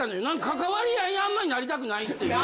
関わり合いにあんまりなりたくないっていう。